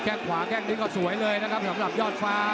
ขวาแข้งนี้ก็สวยเลยนะครับสำหรับยอดฟ้า